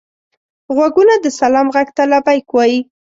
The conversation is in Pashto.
غوږونه د سلام غږ ته لبیک وايي